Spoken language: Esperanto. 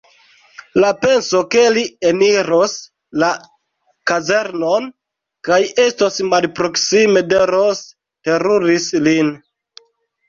La penso, ke li eniros la kazernon kaj estos malproksime de Ros, teruris lin.